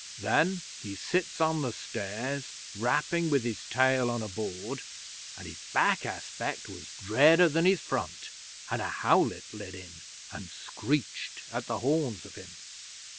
Then he sits on the stairs, rapping with his tail on a board, and his back aspect was dreader than his front, and a howlet lit in, and screeched at the horns of him.